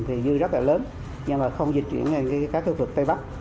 thì dư rất là lớn nhưng mà không dịch chuyển ngay các khu vực tây bắc